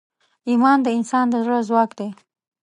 ایمان د انسان د زړه ځواک دی.